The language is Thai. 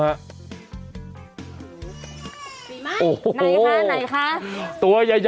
ไหนคะไหนคะ